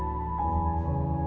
akhirnya gue gak bisa bebe